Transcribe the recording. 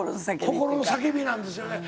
心の叫びなんですよね。